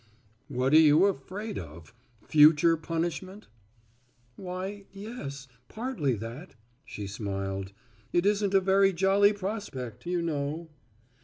"What are you afraid of future punishment?" "Why, yes, partly that," she smiled; "it isn't a very jolly prospect, you know."